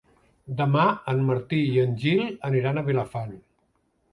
Demà en Martí i en Gil aniran a Vilafant.